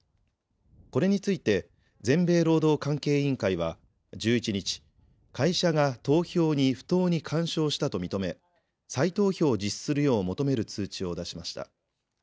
これについて、全米労働関係委員会は１１日、会社が投票に不当に干渉したと認め、再投票を実施するよう求める通知を出しました。